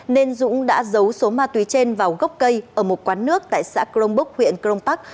nên dũng đã giấu số ma túy trên vào gốc cây ở một quán nước tại xã crong bốc huyện crong pak